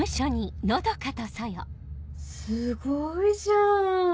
すごいじゃん！